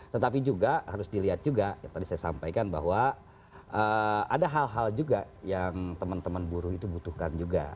tetapi juga harus dilihat juga yang tadi saya sampaikan bahwa ada hal hal juga yang teman teman buruh itu butuhkan juga